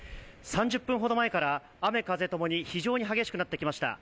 ３０分ほど前から雨・風ともに非常に激しくなってきました。